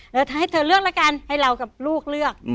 แฟนให้เรากับลูกเลือก